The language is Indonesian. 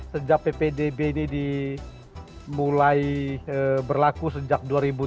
sejak ppdb ini dimulai berlaku sejak dua ribu tujuh belas